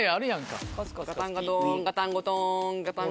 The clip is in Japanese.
ガタンゴトンガタンゴトンガタンゴトン。